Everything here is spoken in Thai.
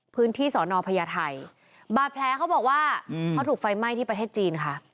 พื้นที่สอนอพญาไทยบาดแผลเขาบอกว่าเขาถูกไฟไหม้ที่ประเทศจีนค่ะ